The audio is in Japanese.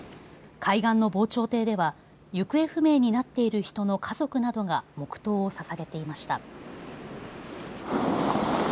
海岸の防潮堤では行方不明になっている人の家族などが黙とうをささげていました。